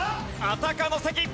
あたかの関。